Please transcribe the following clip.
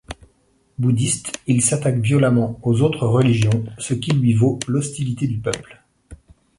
Bouddhiste, il s’attaque violemment aux autres religions ce qui lui vaut l’hostilité du peuple.